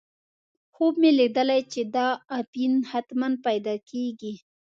خوب مې لیدلی چې دا اپین حتماً پیدا کېږي.